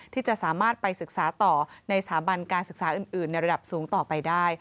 ที่จะสามารถไปศึกษาต่อในสถาบันการศึกษาอื่นในระดับสูงต่อไปได้